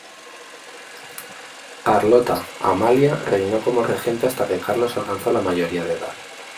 Carlota Amalia, reinó como regente hasta que Carlos alcanzó la mayoría de edad.